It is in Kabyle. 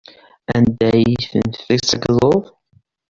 Anda ay ten-tessaggzeḍ?